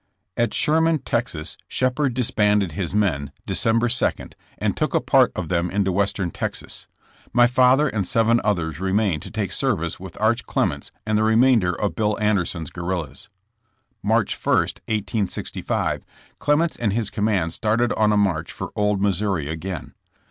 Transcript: At Sherman, Texas, Shepherd disbanded his men December 2, and took a part of them into Yv^estern Texas. My father and seven others remained to take service with Arch Clements and the remainder of Bill Anderson's guerrillas. March 1, 1865, Clements and his command started on a march for old Missouri again.